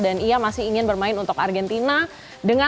dan ia masih ingin bermain untuk argentina